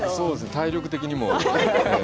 体力的にも。